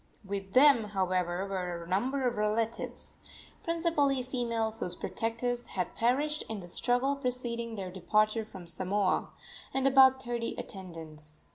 With them, however, were a number of relatives principally females, whose protectors had perished in the struggle preceding their departure from Samoa and about thirty attendants.